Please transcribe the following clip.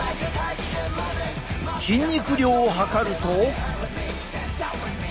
筋肉量を測ると。